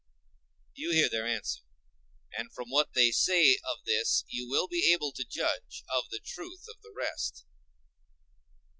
… You hear their answer. And from what they say of this you will be able to judge of the truth of the rest.